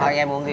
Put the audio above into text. anh em muốn gì